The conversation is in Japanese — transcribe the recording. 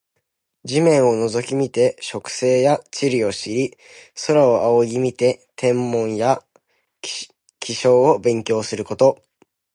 地面を覗き見て植生や地理を知り、空を仰ぎ見て天文や気象を勉強すること。